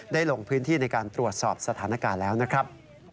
ลงพื้นที่ในการตรวจสอบสถานการณ์แล้วนะครับ